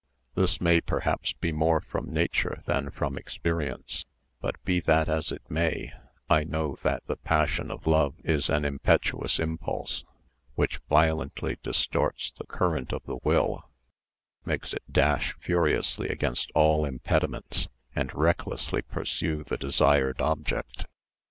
This may, perhaps, be more from nature than from experience; but be that as it may, I know that the passion of love is an impetuous impulse, which violently distorts the current of the will, makes it dash furiously against all impediments, and recklessly pursue the desired object.